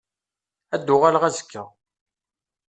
Ad d-uɣaleɣ azekka.